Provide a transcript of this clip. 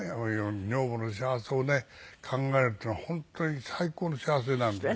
女房の幸せをね考えるっていうのは本当に最高の幸せなんだよ。